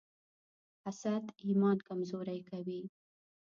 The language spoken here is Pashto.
حسد ایمان کمزوری کوي.